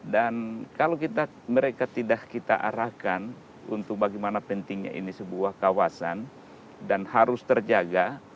dan kalau mereka tidak kita arahkan untuk bagaimana pentingnya ini sebuah kawasan dan harus terjaga